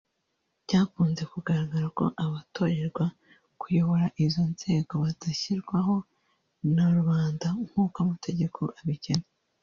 Byakunze kugaragara ko abatorerwa kuyobora izo nzego badashyirwaho na rubanda nk’uko amategeko abigena